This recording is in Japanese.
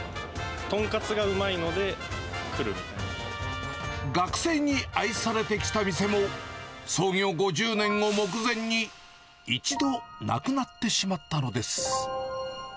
豚カツがうまいので来るみた学生に愛されてきた店も、創業５０年を目前に、一度なくなってしまったのです。